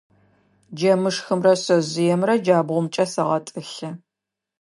Джэмышхымрэ шъэжъыемрэ джабгъумкӏэ сэгъэтӏылъы.